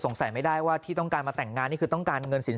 ใส่ไม่ได้ว่าที่ต้องการมาแต่งงานนี่คือต้องการเงินสิน